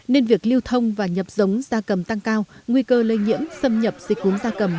nên việc lưu thông và nhập giống gia cầm tăng cao nguy cơ lây nhiễm xâm nhập dịch cúm da cầm